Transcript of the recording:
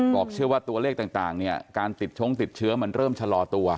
เชื่อว่าตัวเลขต่างเนี่ยการติดชงติดเชื้อมันเริ่มชะลอตัว